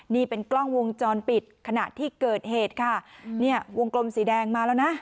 นี่เป็นกล้องวงจรปิดขณะที่เกิดเหตุค่ะเนี่ยวงกลมสีแดงมาแล้วนะ